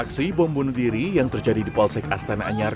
aksi bom bunuh diri yang terjadi di polsek astana anyar